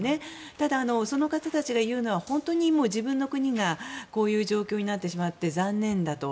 ただ、その方たちが言うのは本当に自分の国がこういう状況になってしまって残念だと。